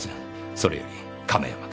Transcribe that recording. それより亀山君。